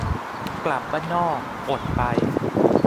กลับบ้านนอก อดไป